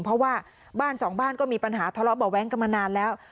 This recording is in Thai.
เพราะว่าบ้านสองบ้านก็มีปัญหาทะเลาะเบาะแว้งกันมานานแล้ว